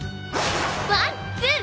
ワン！ツー！